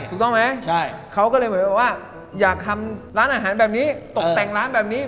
ถูกต้องไหมใช่เขาก็เลยเหมือนบอกว่าอยากทำร้านอาหารแบบนี้ตกแต่งร้านแบบนี้